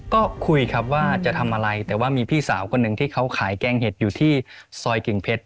ก็คุยครับว่าจะทำอะไรแต่ว่ามีพี่สาวคนหนึ่งที่เขาขายแกงเห็ดอยู่ที่ซอยกิ่งเพชร